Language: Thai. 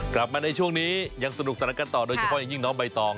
กลับมาในช่วงนี้ยังสนุกสนานกันต่อโดยเฉพาะอย่างยิ่งน้องใบตอง